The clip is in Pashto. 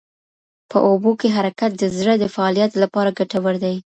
په اوبو کې حرکت د زړه د فعالیت لپاره ګټور دی.